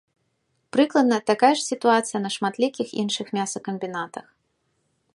Прыкладна такая ж сітуацыя на шматлікіх іншых мясакамбінатах.